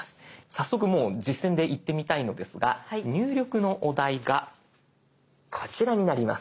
早速もう実践でいってみたいのですが入力のお題がこちらになります。